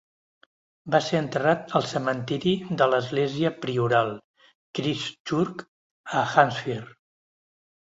Va ser enterrat al cementiri de l'església prioral, Christchurch, a Hampshire.